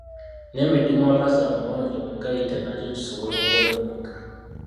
N'emidumu amazzi amayonjo mwe gayita nagyo gisobola okwonooneka.